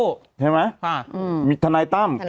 ใช่ไหมมีทนายตั้ม